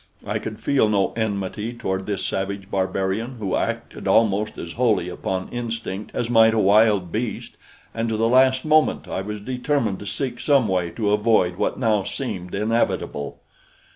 I could feel no enmity toward this savage barbarian who acted almost as wholly upon instinct as might a wild beast, and to the last moment I was determined to seek some way to avoid what now seemed inevitable.